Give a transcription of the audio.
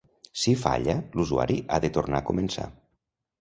Si falla, l'usuari ha de tornar a començar.